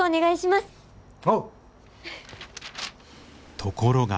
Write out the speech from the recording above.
ところが。